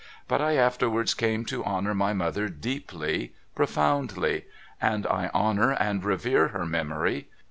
But I afterwards came to honour my mother deeply, profoundly. And I honour and revere her memory.